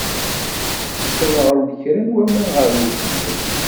Yessenɣel-d kra n waman ɣer ugdur.